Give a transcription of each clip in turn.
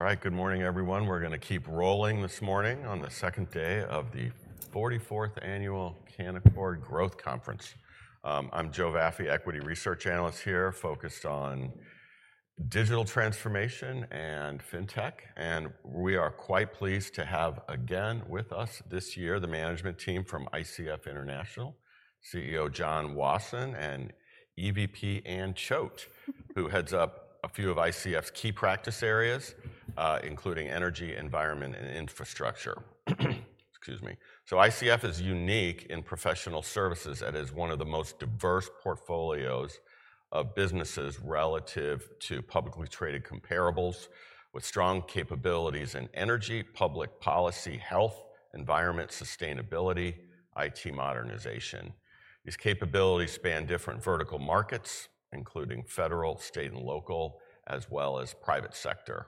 All right. Good morning, everyone. We're gonna keep rolling this morning on the second day of the 44th Annual Canaccord Growth Conference. I'm Joe Vafi, equity research analyst here, focused on digital transformation and fintech, and we are quite pleased to have, again, with us this year, the management team from ICF International, CEO John Wasson and EVP Anne Choate, who heads up a few of ICF's key practice areas, including energy, environment, and infrastructure. Excuse me. ICF is unique in professional services and is one of the most diverse portfolios of businesses relative to publicly traded comparables, with strong capabilities in energy, public policy, health, environment, sustainability, IT modernization. These capabilities span different vertical markets, including federal, state, and local, as well as private sector,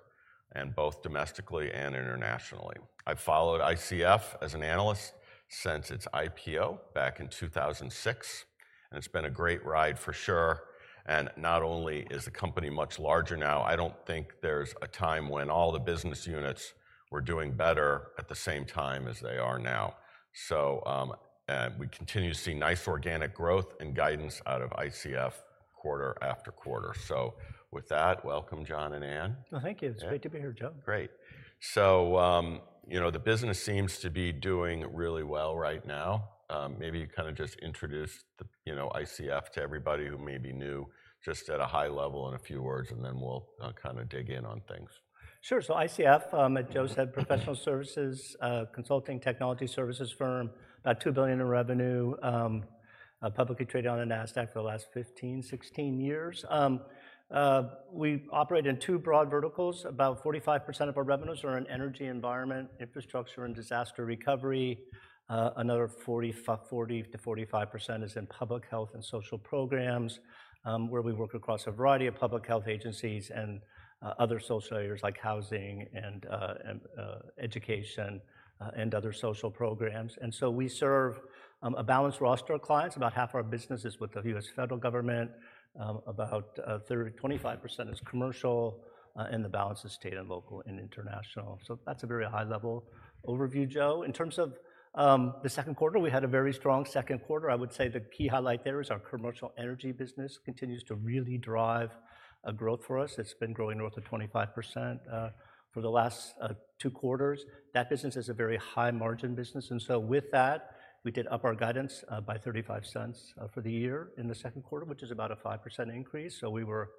and both domestically and internationally. I've followed ICF as an analyst since its IPO back in 2006, and it's been a great ride, for sure. And not only is the company much larger now, I don't think there's a time when all the business units were doing better at the same time as they are now. So, and we continue to see nice organic growth and guidance out of ICF quarter after quarter. So with that, welcome, John and Anne. Well, thank you. Yeah. It's great to be here, Joe. Great. So, you know, the business seems to be doing really well right now. Maybe you kinda just introduce the, you know, ICF to everybody who may be new, just at a high level in a few words, and then we'll kinda dig in on things. Sure. So ICF, as Joe said, professional services, consulting technology services firm, about $2 billion in revenue, publicly traded on the NASDAQ for the last 15-16 years. We operate in two broad verticals. About 45% of our revenues are in energy, environment, infrastructure, and disaster recovery. Another 40%-45% is in public health and social programs, where we work across a variety of public health agencies and education and other social programs. So we serve a balanced roster of clients. About half our business is with the U.S. federal government, about 25% is commercial, and the balance is state and local and international. So that's a very high level overview, Joe. In terms of the second quarter, we had a very strong second quarter. I would say the key highlight there is our commercial energy business continues to really drive growth for us. It's been growing north of 25%, for the last 2 quarters. That business is a very high-margin business, and so with that, we did up our guidance by $0.35 for the year in the second quarter, which is about a 5% increase, so we were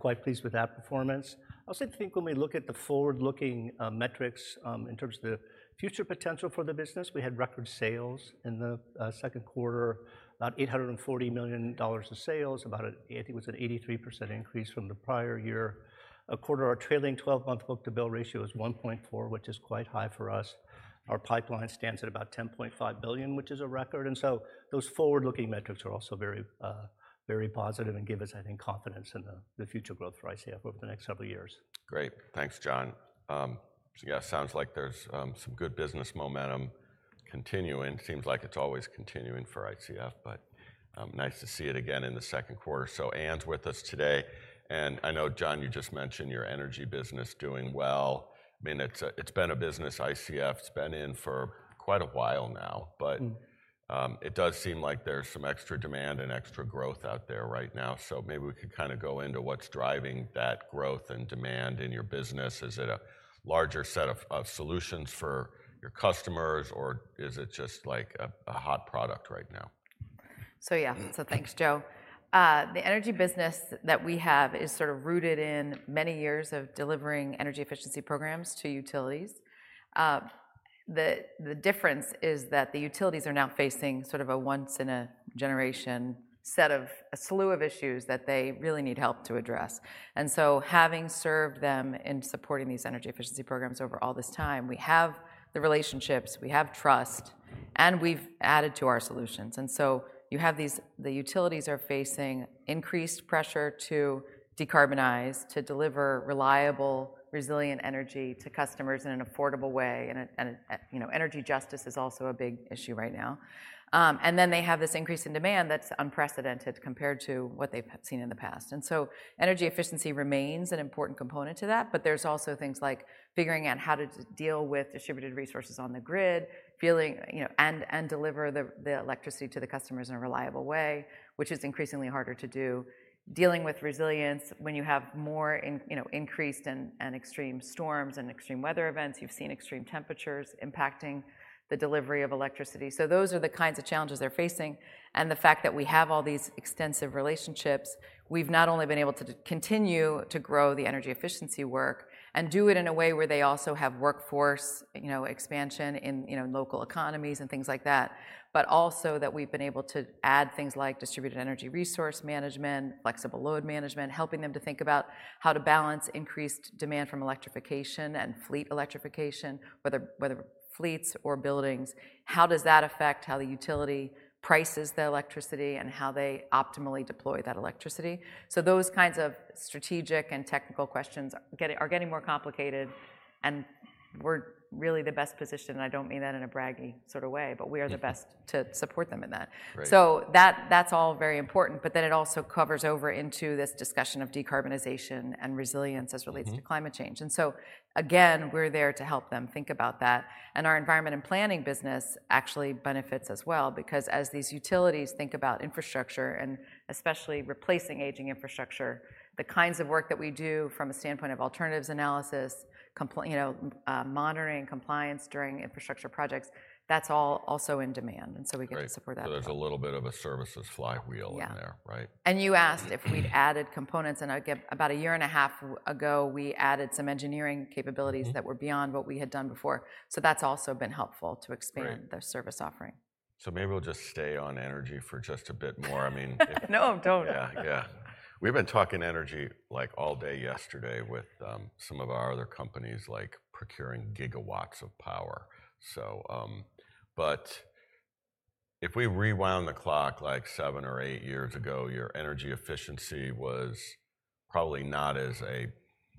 quite pleased with that performance. I also think when we look at the forward-looking metrics, in terms of the future potential for the business, we had record sales in the second quarter, about $840 million of sales, about, I think it was an 83% increase from the prior year. A quarter, our trailing twelve-month book-to-bill ratio is 1.4, which is quite high for us. Our pipeline stands at about $10.5 billion, which is a record, and so those forward-looking metrics are also very, very positive and give us, I think, confidence in the future growth for ICF over the next several years. Great. Thanks, John. So yeah, sounds like there's some good business momentum continuing. Seems like it's always continuing for ICF, but nice to see it again in the second quarter. So Anne's with us today, and I know, John, you just mentioned your energy business doing well. I mean, it's a, it's been a business ICF's been in for quite a while now. But it does seem like there's some extra demand and extra growth out there right now. So maybe we could kinda go into what's driving that growth and demand in your business. Is it a larger set of solutions for your customers, or is it just, like, a hot product right now? So yeah. So thanks, Joe. The energy business that we have is sort of rooted in many years of delivering energy efficiency programs to utilities. The difference is that the utilities are now facing sort of a once-in-a-generation set of a slew of issues that they really need help to address. And so having served them in supporting these energy efficiency programs over all this time, we have the relationships, we have trust, and we've added to our solutions. And so the utilities are facing increased pressure to decarbonize, to deliver reliable, resilient energy to customers in an affordable way. And you know, energy justice is also a big issue right now. And then they have this increase in demand that's unprecedented compared to what they've seen in the past. And so energy efficiency remains an important component to that, but there's also things like figuring out how to deal with distributed resources on the grid, feeding, you know, and deliver the electricity to the customers in a reliable way, which is increasingly harder to do. Dealing with resilience when you have more intense, you know, increased and extreme storms and extreme weather events. You've seen extreme temperatures impacting the delivery of electricity. So those are the kinds of challenges they're facing, and the fact that we have all these extensive relationships, we've not only been able to continue to grow the energy efficiency work and do it in a way where they also have workforce, you know, expansion in you know local economies and things like that. But also that we've been able to add things like distributed energy resource management, flexible load management, helping them to think about how to balance increased demand from electrification and fleet electrification, whether fleets or buildings. How does that affect how the utility prices the electricity and how they optimally deploy that electricity? So those kinds of strategic and technical questions are getting more complicated, and we're really the best positioned, and I don't mean that in a braggy sort of way, but we are the best- Yeah to support them in that. Right. So that, that's all very important, but then it also covers over into this discussion of decarbonization and resilience as relates- Mm-hmm -to climate change. And so again, we're there to help them think about that. And our environment and planning business actually benefits as well, because as these utilities think about infrastructure and especially replacing aging infrastructure, the kinds of work that we do from a standpoint of alternatives analysis, you know, monitoring and compliance during infrastructure projects, that's all also in demand, and so we get- Right to support that. There's a little bit of a services flywheel in there. Yeah -right? You asked if we'd added components, and I'd give... About a year and a half ago, we added some engineering capabilities- Mm-hmm that were beyond what we had done before. So that's also been helpful to expand Right the service offering. Maybe we'll just stay on energy for just a bit more. I mean... No, don't! Yeah, yeah. We've been talking energy, like, all day yesterday with, some of our other companies, like procuring gigawatts of power. So, but if we rewind the clock, like 7 or 8 years ago, your energy efficiency was probably not as a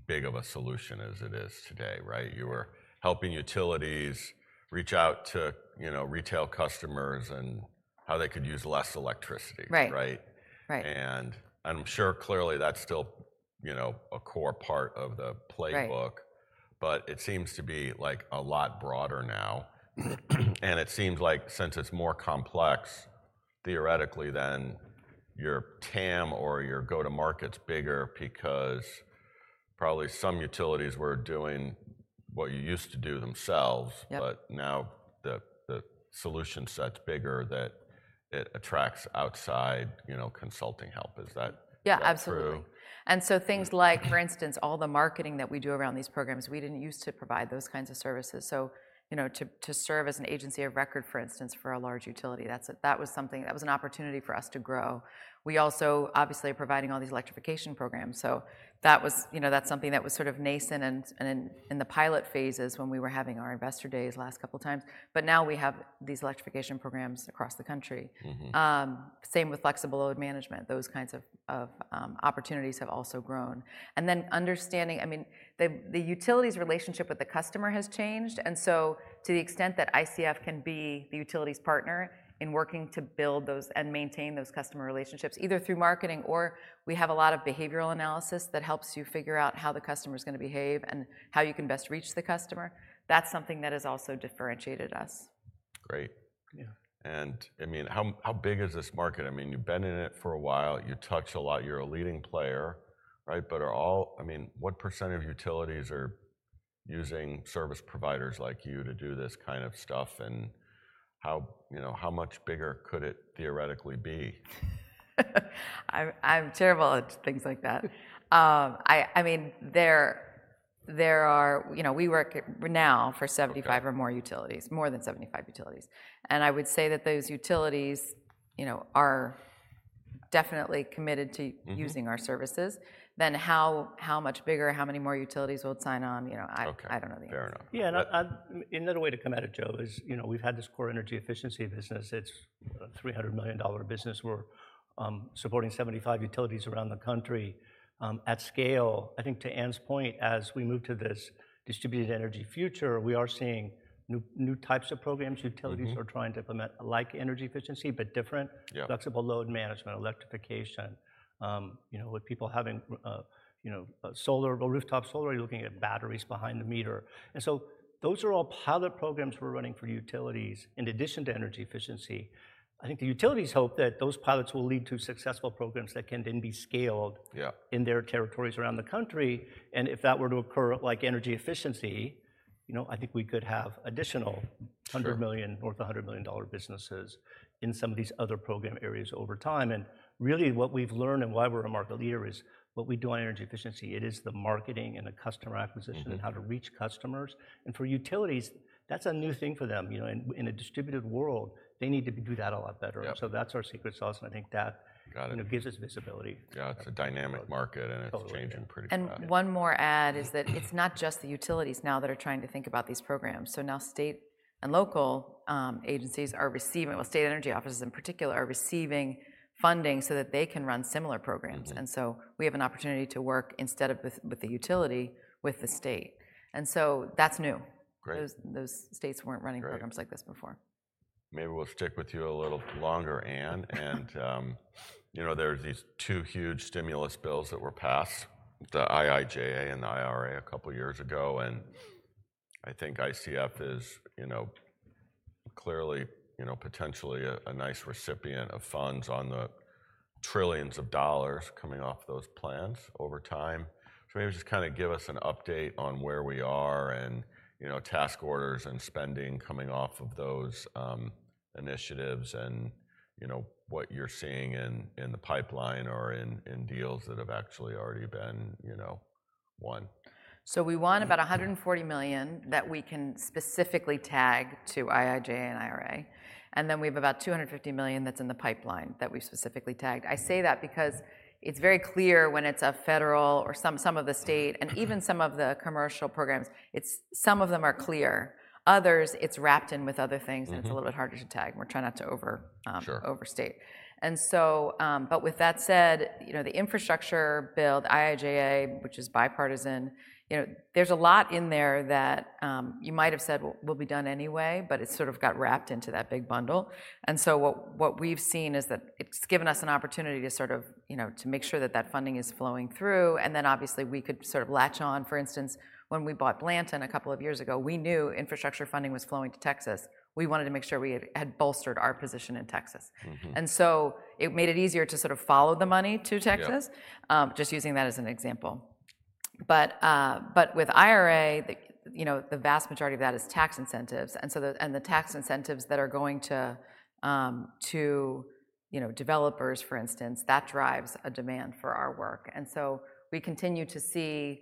big of a solution as it is today, right? You were helping utilities reach out to, you know, retail customers and how they could use less electricity. Right. Right? Right. I'm sure clearly that's still, you know, a core part of the playbook- Right... but it seems to be, like, a lot broader now. And it seems like since it's more complex, theoretically, then your TAM or your go-to-market's bigger because probably some utilities were doing what you used to do themselves- Yep... but now the solution set's bigger that it attracts outside, you know, consulting help. Is that- Yeah, absolutely -true? So things like, for instance, all the marketing that we do around these programs, we didn't use to provide those kinds of services. So, you know, to serve as an agency of record, for instance, for a large utility, that's something, that was an opportunity for us to grow. We also obviously are providing all these electrification programs, so that was, you know, that's something that was sort of nascent and in the pilot phases when we were having our investor days last couple times. But now we have these electrification programs across the country. Mm-hmm. Same with flexible load management. Those kinds of opportunities have also grown. And then understanding... I mean, the utilities' relationship with the customer has changed, and so to the extent that ICF can be the utilities partner in working to build those and maintain those customer relationships, either through marketing, or we have a lot of behavioral analysis that helps you figure out how the customer's gonna behave and how you can best reach the customer, that's something that has also differentiated us. Great. Yeah. I mean, how, how big is this market? I mean, you've been in it for a while. You touch a lot. You're a leading player, right? But are all... I mean, what percent of utilities are using service providers like you to do this kind of stuff? And how, you know, how much bigger could it theoretically be? I'm terrible at things like that. I mean, there are, you know, we work now for 75- Okay or more utilities, more than 75 utilities, and I would say that those utilities, you know, are definitely committed to- Mm-hmm -using our services. Then how, how much bigger, how many more utilities will sign on? You know, I- Okay... I don't know the answer. Fair enough. Yeah, another way to come at it, Joe, is, you know, we've had this core energy efficiency business. It's a $300 million business. We're supporting 75 utilities around the country at scale. I think to Anne's point, as we move to this distributed energy future, we are seeing new types of programs. Mm-hmm. Utilities are trying to implement, like, energy efficiency, but different- Yeah... flexible load management, electrification. You know, with people having, you know, solar or rooftop solar, you're looking at batteries behind the meter. And so those are all pilot programs we're running for utilities in addition to energy efficiency. I think the utilities hope that those pilots will lead to successful programs that can then be scaled- Yeah in their territories around the country. And if that were to occur, like energy efficiency, you know, I think we could have additional- Sure 100 million, north of $100 million dollar businesses in some of these other program areas over time. And really, what we've learned and why we're a market leader is what we do on energy efficiency, it is the marketing and the customer acquisition- Mm-hmm and how to reach customers. For utilities, that's a new thing for them. You know, in a distributed world, they need to do that a lot better. Yep. That's our secret sauce, and I think that- Got it... you know, gives us visibility. Yeah, it's a dynamic market, and it's- Oh, yeah Changing pretty fast. One more add is that it's not just the utilities now that are trying to think about these programs. So now state and local agencies are receiving, state energy offices in particular, are receiving funding so that they can run similar programs. Mm-hmm. So we have an opportunity to work instead of with, with the utility, with the state, and so that's new. Great. Those states weren't running- Great programs like this before. Maybe we'll stick with you a little longer, Anne. You know, there's these two huge stimulus bills that were passed, the IIJA and the IRA, a couple years ago, and I think ICF is, you know, clearly, you know, potentially a nice recipient of funds on the trillions of dollars coming off those plans over time. So maybe just kind of give us an update on where we are and, you know, task orders and spending coming off of those initiatives and, you know, what you're seeing in the pipeline or in deals that have actually already been, you know? So we won about $140 million that we can specifically tag to IIJA and IRA, and then we have about $250 million that's in the pipeline that we've specifically tagged. I say that because it's very clear when it's a federal or some of the state, and even some of the commercial programs, it's, some of them are clear. Others, it's wrapped in with other things- Mm-hmm. -and it's a little bit harder to tag, and we're trying not to over, Sure. Overstate. But with that said, you know, the infrastructure build, IIJA, which is bipartisan, you know, there's a lot in there that you might have said will be done anyway, but it sort of got wrapped into that big bundle. And so what we've seen is that it's given us an opportunity to sort of, you know, to make sure that that funding is flowing through, and then obviously we could sort of latch on. For instance, when we bought Blanton a couple of years ago, we knew infrastructure funding was flowing to Texas. We wanted to make sure we had bolstered our position in Texas. Mm-hmm. And so it made it easier to sort of follow the money to Texas. Yeah. Just using that as an example. But, but with IRA, the, you know, the vast majority of that is tax incentives, and so the, and the tax incentives that are going to, to, you know, developers, for instance, that drives a demand for our work, and so we continue to see,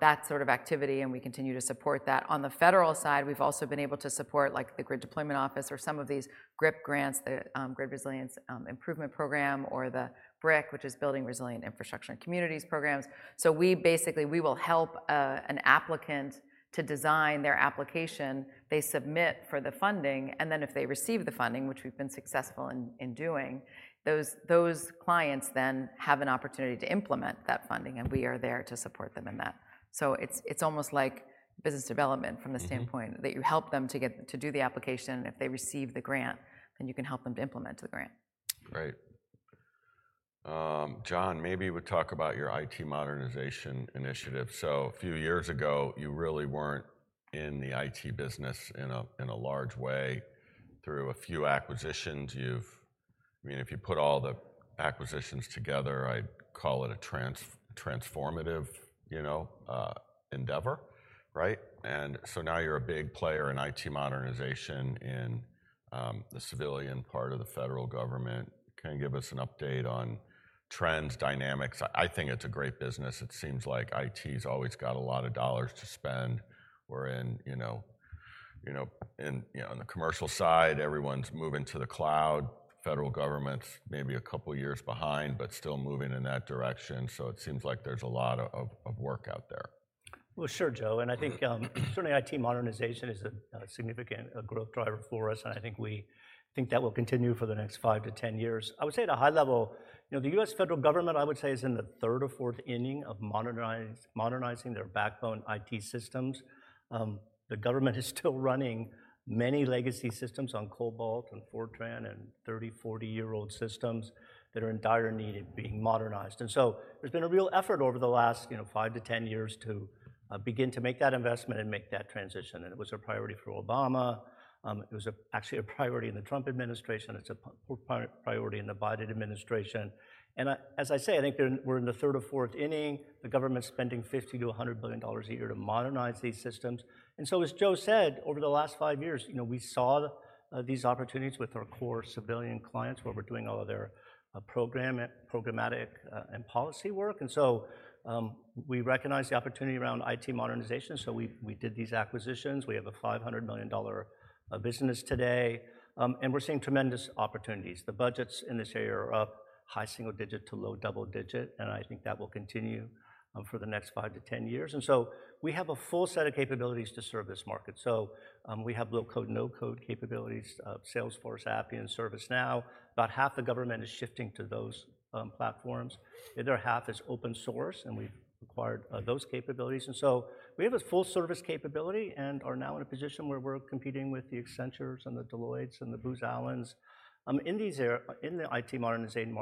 that sort of activity, and we continue to support that. On the federal side, we've also been able to support, like, the Grid Deployment Office or some of these GRIP grants, the, Grid Resilience, Improvement Program, or the BRIC, which is Building Resilient Infrastructure and Communities programs. So we basically, we will help, an applicant to design their application they submit for the funding, and then if they receive the funding, which we've been successful in, in doing, those, those clients then have an opportunity to implement that funding, and we are there to support them in that. So it's, it's almost like business development from the standpoint- Mm-hmm... that you help them to get, to do the application, and if they receive the grant, then you can help them to implement the grant. Right. John, maybe we'll talk about your IT modernization initiative. So a few years ago, you really weren't in the IT business in a large way. Through a few acquisitions, you've... I mean, if you put all the acquisitions together, I'd call it a transformative, you know, endeavor, right? And so now you're a big player in IT modernization in the civilian part of the federal government. Can you give us an update on trends, dynamics? I think it's a great business. It seems like IT's always got a lot of dollars to spend, wherein, you know, you know, in, you know, on the commercial side, everyone's moving to the cloud. Federal government's maybe a couple of years behind, but still moving in that direction, so it seems like there's a lot of work out there. Well, sure, Joe, and I think, certainly IT modernization is a significant growth driver for us, and I think we think that will continue for the next 5 to 10 years. I would say at a high level, you know, the U.S. federal government, I would say, is in the third or fourth inning of modernizing their backbone IT systems. The government is still running many legacy systems on COBOL and Fortran and 30-, 40-year-old systems that are in dire need of being modernized. And so there's been a real effort over the last, you know, 5 to 10 years to begin to make that investment and make that transition, and it was a priority for Obama, it was, actually a priority in the Trump administration, it's a priority in the Biden administration. And, as I say, I think we're in, we're in the third or fourth inning. The government's spending $50 billion-$100 billion a year to modernize these systems. And so as Joe said, over the last five years, you know, we saw these opportunities with our core civilian clients, where we're doing all of their program, programmatic, and policy work. And so we recognized the opportunity around IT modernization, so we, we did these acquisitions. We have a $500 million business today, and we're seeing tremendous opportunities. The budgets in this area are up high single-digit to low double-digit, and I think that will continue for the next five to 10 years. And so we have a full set of capabilities to serve this market. So we have low-code, no-code capabilities, Salesforce, Appian, ServiceNow. About half the government is shifting to those platforms. The other half is open source, and we've acquired those capabilities, and so we have a full service capability and are now in a position where we're competing with the Accenture and the Deloitte and the Booz Allen, in the IT modernization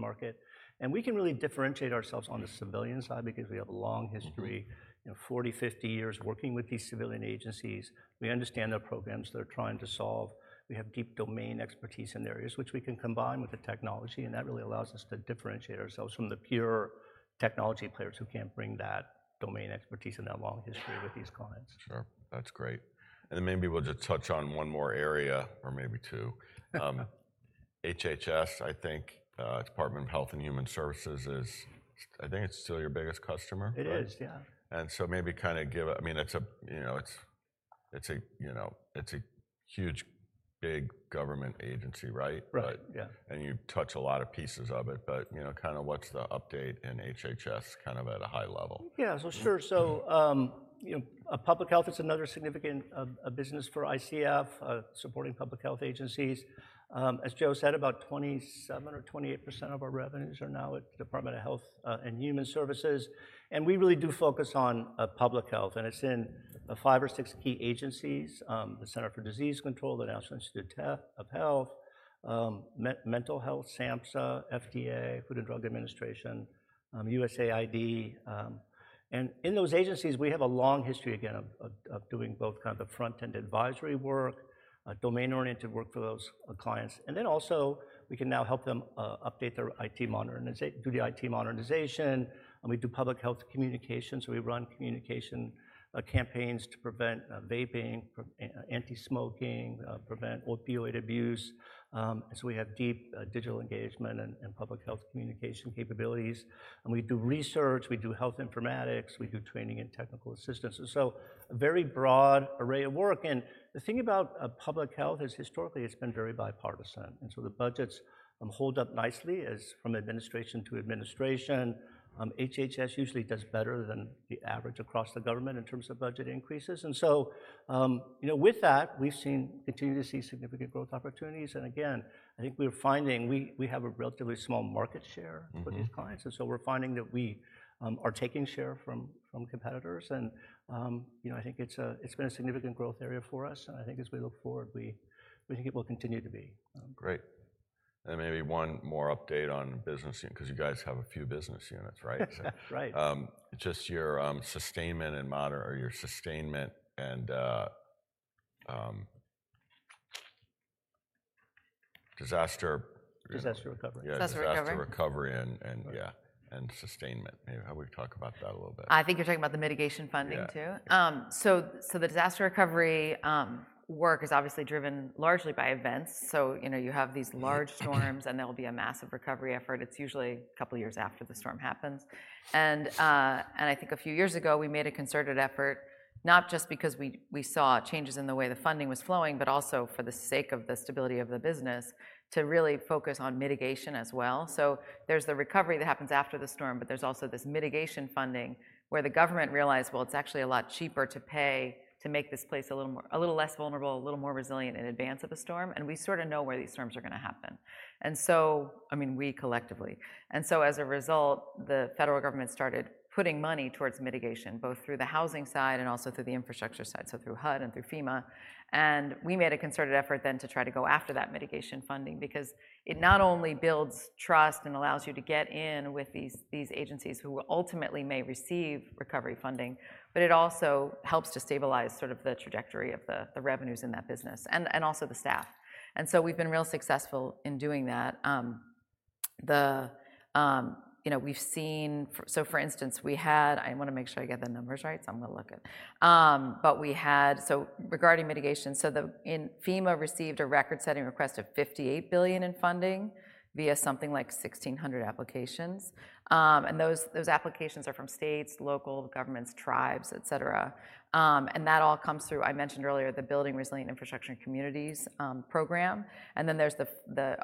market. And we can really differentiate ourselves on the civilian side because we have a long history- Mm-hmm... you know, 40, 50 years working with these civilian agencies. We understand the programs they're trying to solve. We have deep domain expertise in areas, which we can combine with the technology, and that really allows us to differentiate ourselves from the pure technology players who can't bring that domain expertise and that long history with these clients. Sure. That's great. And then maybe we'll just touch on one more area, or maybe two. HHS, I think, Department of Health and Human Services, is... I think it's still your biggest customer? It is, yeah. And so maybe kinda give a, I mean, it's a, you know, it's a huge, big government agency, right? Right, yeah. You touch a lot of pieces of it, but, you know, kinda what's the update in HHS, kind of at a high level? Yeah, so sure. So, you know, public health is another significant, a business for ICF, supporting public health agencies. As Joe said, about 27% or 28% of our revenues are now with the Department of Health and Human Services, and we really do focus on public health, and it's in five or six key agencies, the Centers for Disease Control, the National Institutes of Health, the National Institute of Mental Health, SAMHSA, FDA, Food and Drug Administration, USAID. And in those agencies, we have a long history, again, of doing both kind of the front-end advisory work, domain-oriented work for those clients, and then also, we can now help them update their IT, do the IT modernization, and we do public health communication, so we run communication campaigns to prevent vaping, anti-smoking, prevent opioid abuse. So we have deep digital engagement and public health communication capabilities, and we do research, we do health informatics, we do training and technical assistance, and so a very broad array of work and... The thing about public health is historically it's been very bipartisan, and so the budgets hold up nicely as from administration to administration. HHS usually does better than the average across the government in terms of budget increases. And so, you know, with that, we've seen, continue to see significant growth opportunities. And again, I think we're finding we, we have a relatively small market share- Mm-hmm For these clients. And so we're finding that we are taking share from competitors. And, you know, I think it's, it's been a significant growth area for us, and I think as we look forward, we think it will continue to be, Great. Maybe one more update on business unit, 'cause you guys have a few business units, right? Right. Just your sustainment and disaster- Disaster recovery. Disaster recovery? Yeah, disaster recovery and sustainment. Maybe have we talk about that a little bit. I think you're talking about the mitigation funding, too. Yeah. So, the disaster recovery work is obviously driven largely by events. So, you know, you have these large storms- Mm And there'll be a massive recovery effort. It's usually a couple of years after the storm happens. And I think a few years ago, we made a concerted effort, not just because we saw changes in the way the funding was flowing, but also for the sake of the stability of the business, to really focus on mitigation as well. So there's the recovery that happens after the storm, but there's also this mitigation funding, where the government realized, well, it's actually a lot cheaper to pay to make this place a little more... a little less vulnerable, a little more resilient in advance of the storm, and we sort of know where these storms are gonna happen. And so, I mean, we collectively. And so as a result, the federal government started putting money towards mitigation, both through the housing side and also through the infrastructure side, so through HUD and through FEMA. And we made a concerted effort then to try to go after that mitigation funding because it not only builds trust and allows you to get in with these, these agencies who ultimately may receive recovery funding, but it also helps to stabilize sort of the trajectory of the, the revenues in that business, and, and also the staff. And so we've been real successful in doing that. You know, we've seen. So for instance, we had, I wanna make sure I get the numbers right, so I'm gonna look it. But we had, so regarding mitigation, in FEMA received a record-setting request of $58 billion in funding via something like 1,600 applications. And those, those applications are from states, local governments, tribes, et cetera. And that all comes through, I mentioned earlier, the Building Resilient Infrastructure and Communities Program. And then there's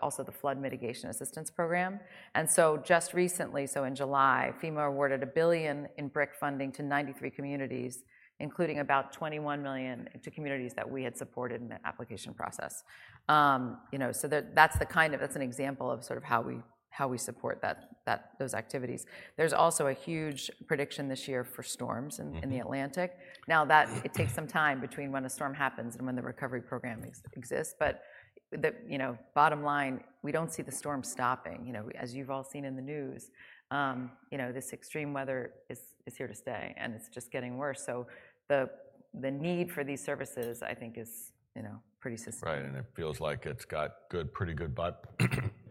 also the Flood Mitigation Assistance Program. And so just recently, so in July, FEMA awarded $1 billion in BRIC funding to 93 communities, including about $21 million to communities that we had supported in the application process. You know, so that, that's the kind of, that's an example of sort of how we, how we support that, that, those activities. There's also a huge prediction this year for storms- Mm-hmm in the Atlantic. Now, that it takes some time between when a storm happens and when the recovery program exists, but the, you know, bottom line, we don't see the storm stopping. You know, as you've all seen in the news, you know, this extreme weather is here to stay, and it's just getting worse. So the need for these services, I think is, you know, pretty sustainable. Right, and it feels like it's got good, pretty good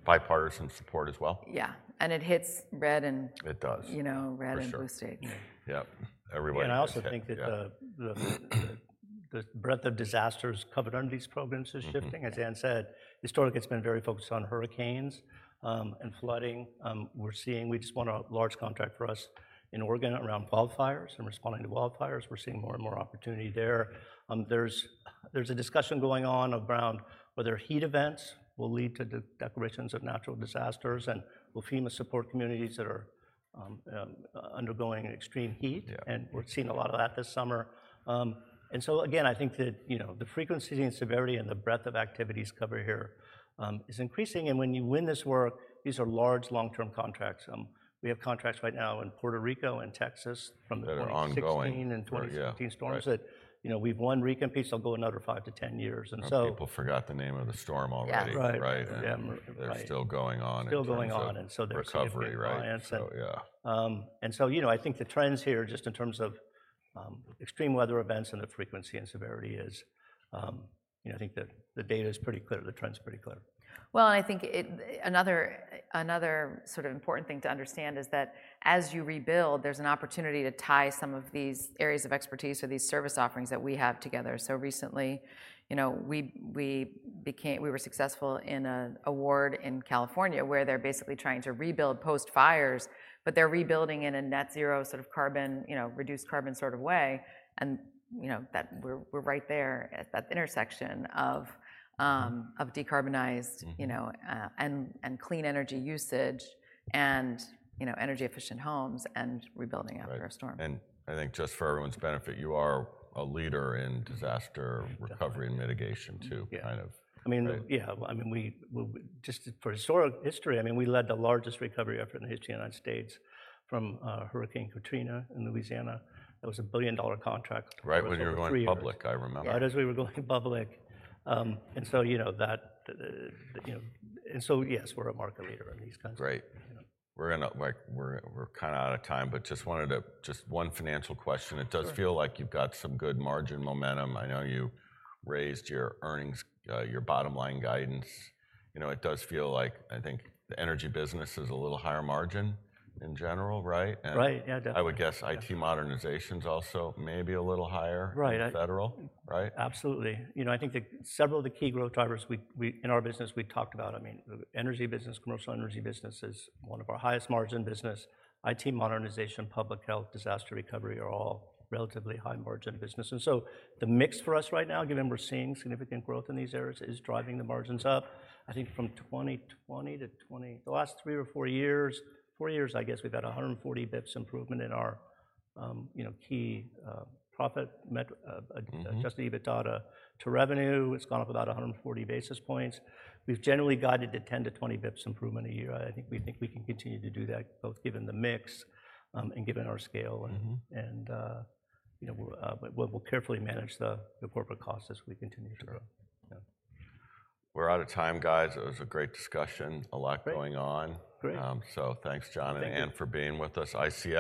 bipartisan support as well. Yeah, and it hits red and- It does You know, red and blue state. For sure. Yep, everybody. I also think that the breadth of disasters covered under these programs is shifting. Mm-hmm. As Anne said, historically, it's been very focused on hurricanes and flooding. We're seeing, we just won a large contract for us in Oregon around wildfires and responding to wildfires. We're seeing more and more opportunity there. There's a discussion going on around whether heat events will lead to declarations of natural disasters, and will FEMA support communities that are undergoing extreme heat? Yeah. We're seeing a lot of that this summer. And so again, I think that, you know, the frequency and severity and the breadth of activities covered here is increasing. When you win this work, these are large, long-term contracts. We have contracts right now in Puerto Rico and Texas from the- That are ongoing.... 2016 and 2017 storms- Yeah, right ... that, you know, we've won recon piece, they'll go another 5-10 years, and so- People forgot the name of the storm already. Yeah. Right. Right? Yeah, right. They're still going on- Still going on, recovery, right? So, yeah. And so, you know, I think the trends here, just in terms of extreme weather events and the frequency and severity is, you know, I think the data is pretty clear. The trend's pretty clear. Well, and I think another sort of important thing to understand is that as you rebuild, there's an opportunity to tie some of these areas of expertise or these service offerings that we have together. So recently, you know, we were successful in an award in California, where they're basically trying to rebuild post-fires, but they're rebuilding in a net zero sort of carbon, you know, reduced carbon sort of way. And, you know, we're right there at that intersection of decarbonized- Mm-hmm... you know, and clean energy usage and, you know, energy-efficient homes and rebuilding after a storm. Right. And I think just for everyone's benefit, you are a leader in disaster recovery and mitigation, too. Yeah... kind of. I mean, yeah, I mean, we just for historical history, I mean, we led the largest recovery effort in the history of the United States from Hurricane Katrina in Louisiana. That was a billion-dollar contract. Right, when you were going public, I remember. Yeah, as we were going public. And so, you know, you know... And so yes, we're a market leader in these kinds of- Great. Yeah. We're gonna, like, kind of out of time, but just wanted to just one financial question. Sure. It does feel like you've got some good margin momentum. I know you raised your earnings, your bottom line guidance. You know, it does feel like, I think, the energy business is a little higher margin in general, right? Right, yeah, definitely. I would guess IT modernization's also maybe a little higher- Right, I- in federal, right? Absolutely. You know, I think the several of the key growth drivers we in our business, we've talked about, I mean, the energy business, commercial energy business is one of our highest margin business. IT modernization, public health, disaster recovery are all relatively high-margin business. And so the mix for us right now, given we're seeing significant growth in these areas, is driving the margins up. I think from 2020 to twenty... the last three or four years, four years, I guess, we've had 140 basis points improvement in our, you know, key profit met. Mm-hmm... adjusted EBITDA to revenue. It's gone up about 140 basis points. We've generally guided to 10-20 basis points improvement a year. I think we think we can continue to do that, both given the mix, and given our scale- Mm-hmm... and, you know, we'll carefully manage the corporate costs as we continue to grow. Sure. Yeah. We're out of time, guys. It was a great discussion, a lot going on. Great. Thanks, John- Thank you... and Anne for being with us. ICF-